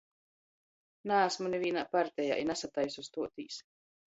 Naasmu nivīnā partejā i nasataisu stuotīs.